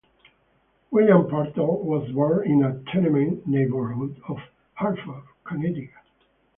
William Purtell was born in a tenement neighborhood of Hartford, Connecticut.